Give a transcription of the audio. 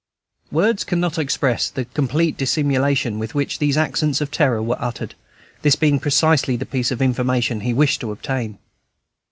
'" Words cannot express the complete dissimulation with which these accents of terror were uttered, this being precisely the piece of information he wished to obtain.